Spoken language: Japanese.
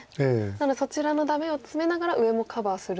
なのでそちらのダメをツメながら上もカバーすると。